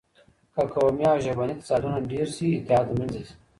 که قومي او ژبني تضادونه ډېر شي، اتحاد له منځه ځي.